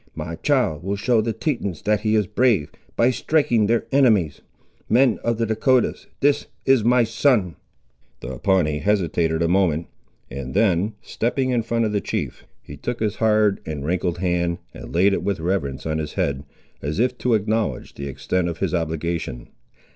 My child will show the Tetons that he is brave, by striking their enemies. Men of the Dahcotahs, this is my son!" The Pawnee hesitated a moment, and then stepping in front of the chief, he took his hard and wrinkled hand, and laid it with reverence on his head, as if to acknowledge the extent of his obligation.